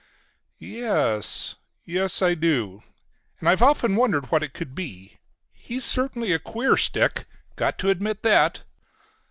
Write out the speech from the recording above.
"Y es, yes I do. And I've often wondered what it could be. He certainly's a queer stick. Got to admit that.